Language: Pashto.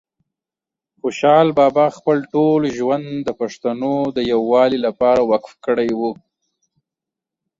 خوشحال بابا خپل ټول ژوند د پښتنو د یووالي لپاره وقف کړی وه